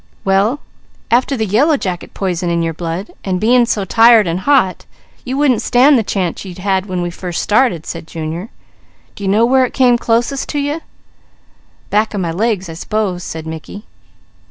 "Well after the yellow jacket poison in your blood, and being so tired and hot, you wouldn't stand the chance you'd had when we first started," said Junior. "Do you know where it came closest to you?" "Back of my legs, I s'pose," said Mickey.